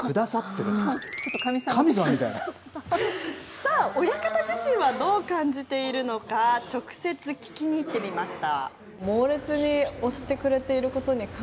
さあ、親方自身はどう感じているのか、直接聞きに行ってみました。